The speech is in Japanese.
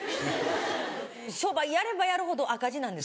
商売やればやるほど赤字なんですよ。